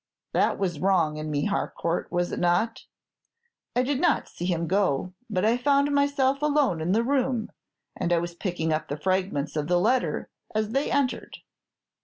That was wrong in me, Harcourt, was it not? I did not see him go, but I found myself alone in the room, and I was picking up the fragments of the letter as they entered.